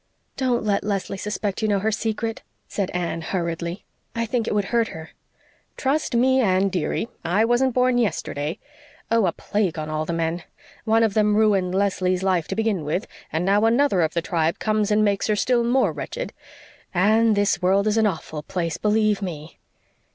"Don't let Leslie suspect you know her secret," said Anne hurriedly. "I think it would hurt her." "Trust me, Anne, dearie. I wasn't born yesterday. Oh, a plague on all the men! One of them ruined Leslie's life to begin with, and now another of the tribe comes and makes her still more wretched. Anne, this world is an awful place, believe me."